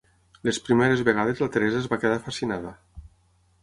Les primeres vegades la Teresa es va quedar fascinada.